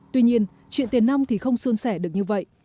tuy nhiên chuyện tiền năm thì không xuân sẻ được như vậy